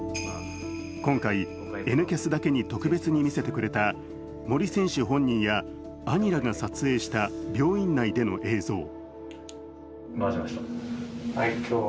今回、「Ｎキャス」だけに特別に見せてくれた森選手本人や兄らが撮影した病院内での映像。